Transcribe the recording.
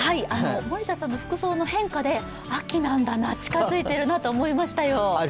森田さんの服装の変化で秋なんだな、近づいてるなと思いましたよ。